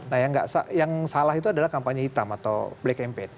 nah yang salah itu adalah kampanye hitam atau black campaign